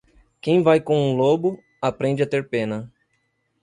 Quem vai com um lobo, aprende a ter pena.